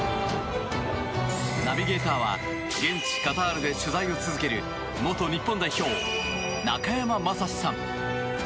ナビゲーターは現地カタールで取材を続ける元日本代表・中山雅史さん。